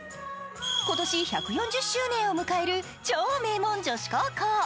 今年１４０周年を迎える超名門女子高校。